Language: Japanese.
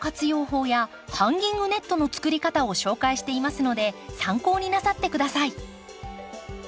法やハンギングネットの作り方を紹介していますので参考になさって下さい。